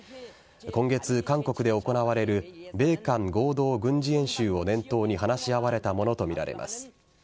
今月、韓国で行われる米韓合同軍事演習を念頭に話し合われたものとみられます。